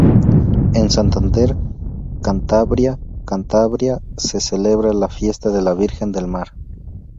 En Santander, Cantabria, Cantabria, se celebra la Fiesta de la Virgen del Mar.